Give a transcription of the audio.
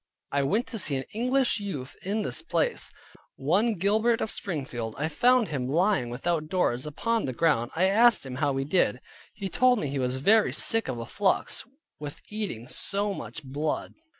I went to see an English youth in this place, one John Gilbert of Springfield. I found him lying without doors, upon the ground. I asked him how he did? He told me he was very sick of a flux, with eating so much blood.